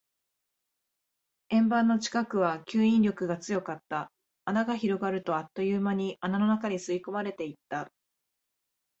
円盤の近くは吸引力が強かった。穴が広がると、あっという間に穴の中に吸い込まれていった。